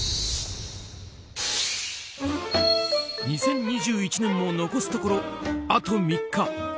２０２１年も残すところあと３日。